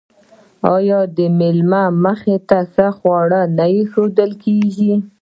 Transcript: آیا د میلمه مخې ته ښه خواړه نه ایښودل کیږي؟